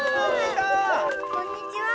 こんにちは。